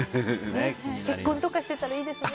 結婚とかしてたらいいですね。